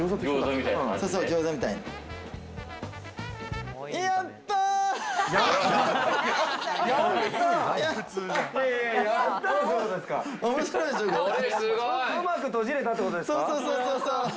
そうそう。